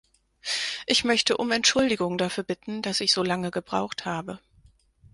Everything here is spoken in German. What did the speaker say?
Ich möchte um Entschuldigung dafür bitten, dass ich solange gebraucht habe.